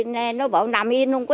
nên nó bảo nằm yên không có chết